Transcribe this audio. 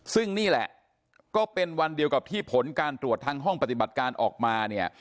ซึ่งนี่แหละก็เป็นวันเดียวกับที่ผลการตรวจทางห้องปฏิบัติการออกมาเนี่ย